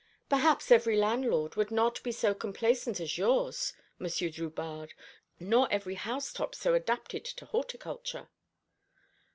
"Perhaps every landlord would not be so complaisant as yours, Monsieur Drubarde, nor every housetop so adapted to horticulture."